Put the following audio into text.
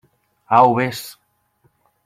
Au, vés.